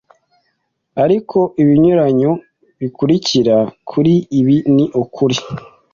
Ariko ibinyuranyo bikurikira kuri ibi ni ukuri